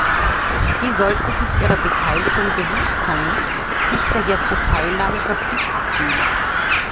Sie sollten sich ihrer Beteiligung bewusst sein sich daher zur Teilnahme verpflichtet fühlen.